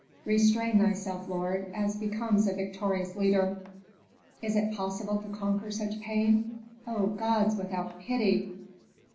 "Restrain thyself, lord, as becomes a victorious leader." "Is it possible to conquer such pain? O gods without pity!"